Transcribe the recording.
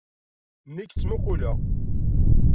Nekk ttmuquleɣ.